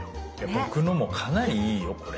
僕のもかなりいいよこれ。